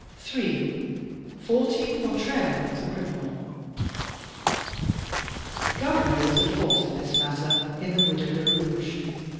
J. Faidty Portrayal of the Criminal Gaboriau was at fault in this matter in the "Widow Le rouge."